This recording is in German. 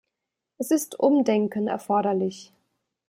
Es ist Umdenken erforderlich.